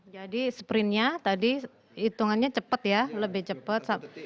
jadi sprintnya tadi hitungannya cepat ya lebih cepat